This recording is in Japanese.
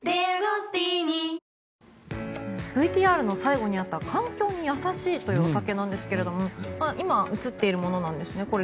ＶＴＲの最後にあった環境に優しいというお酒ですが今、映っているものなんですね。